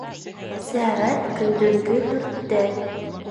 Сәғәт көндөҙгө дүрттә